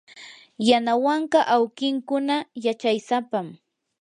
yanawanka awkinkuna yachaysapam.